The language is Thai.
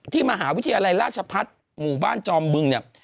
มหาวิทยาลัยราชพัฒน์หมู่บ้านจอมบึงเนี่ย